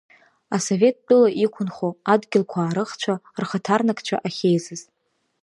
Асоветтәыла иқәынхо адгьылқәаарыхцәа рхаҭарнакцәа ахьеизаз.